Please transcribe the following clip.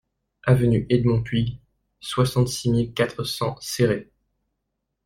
Avenue Edmond Puig, soixante-six mille quatre cents Céret